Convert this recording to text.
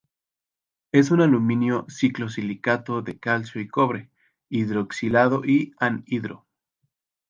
Es un alumino-ciclosilicato de calcio y cobre, hidroxilado y anhidro.